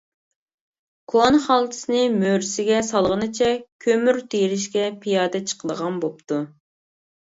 كونا خالتىسىنى مۈرىسىگە سالغىنىچە كۆمۈر تېرىشكە پىيادە چىقىدىغان بوپتۇ.